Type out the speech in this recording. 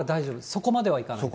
そこまではいかない？